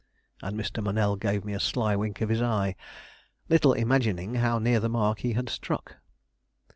And Mr. Monell gave me a sly wink of his eye, little imagining how near the mark he had struck.